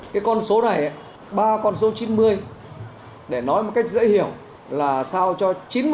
cái con số này ba con số chín mươi để nói một cách dễ hiểu là sao cho chín mươi